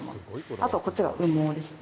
あと、こっちが羽毛です。